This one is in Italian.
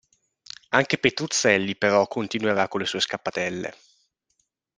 Anche Petruzzelli però continuerà con le sue scappatelle.